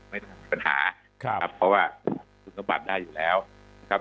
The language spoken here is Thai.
ไม่ต้องมีปัญหาครับเพราะว่าคุณศัพท์บัตรได้อยู่แล้วครับ